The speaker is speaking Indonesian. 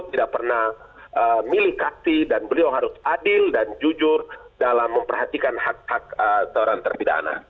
tidak pernah milih kakti dan beliau harus adil dan jujur dalam memperhatikan hak hak seorang terpidana